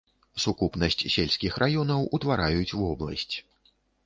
Сукупнасць сельскіх раёнаў утвараюць вобласць.